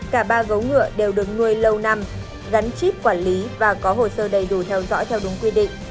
cả ba gấu ngựa đều được nuôi lâu năm gắn chip quản lý và có hồ sơ đầy đủ theo dõi theo đúng quy định